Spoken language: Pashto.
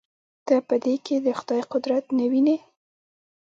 ته په دې کښې د خداى قدرت نه وينې.